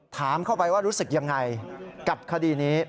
ถามเข้าไปว่ารู้สึกยังไงกับคดีนี้